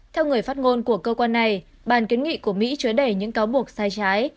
theo người phát ngôn của cơ quan này bàn kiến nghị của mỹ chứa đẩy những cáo buộc sai trái